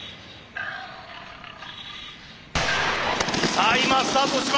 さあ今スタートしました！